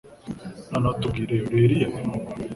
Noneho tubwire uri Eliya?